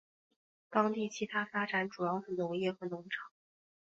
当地其它发展主要是农业和农场。